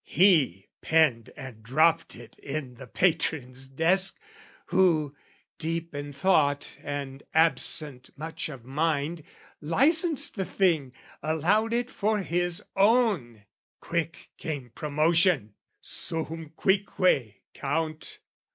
"He penned and dropped it in the patron's desk "Who, deep in thought and absent much of mind, "Licensed the thing, allowed it for his own; "Quick came promotion, suum cuique, Count!